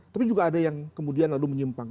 tapi juga ada yang kemudian lalu menyimpang